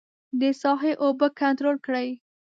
د ساحې اوبه کنترول کړي.